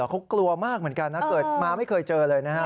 เขากลัวมากเหมือนกันนะเกิดมาไม่เคยเจอเลยนะฮะ